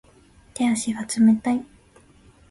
手足が冷たい